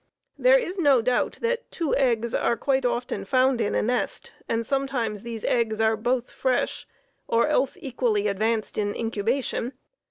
There is no doubt that two eggs are quite often found in a nest, and sometimes these eggs are both fresh, or else equally advanced in incubation.